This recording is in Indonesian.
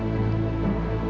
aku mau pergi